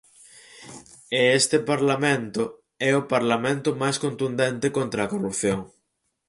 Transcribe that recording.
E este Parlamento é o Parlamento máis contundente contra a corrupción.